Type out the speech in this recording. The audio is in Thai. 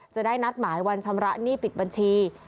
จะได้นัดหมายวันชำระหนี้ปิดบัญชี